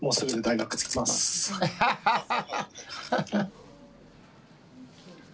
アハハハ！